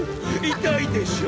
痛いでしょ？